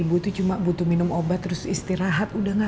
ibu itu cuma butuh minum obat terus istirahat udah gak